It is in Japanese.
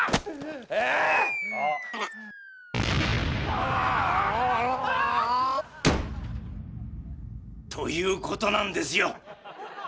ああっ！ということなんですよ！